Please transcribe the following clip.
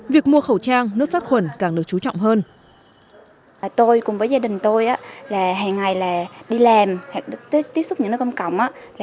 việc mua khẩu trang nước sát khuẩn càng được chú trọng hơn